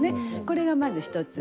これがまず一つ。